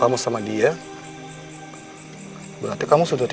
itu aku mijn prinsip terah belakang russians